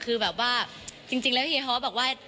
คือแบบว่าจริงแล้วเฮียฮ้อบอกว่า